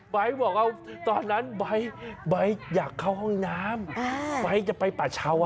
ใบ๊บอกตอนนั้นใบ๊ใบ๊อยากเข้าห้องน้ำใบ๊จะไปป่าชาวะ